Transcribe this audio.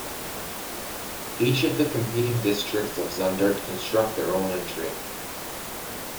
Each of the competing districts of Zundert construct their own entry.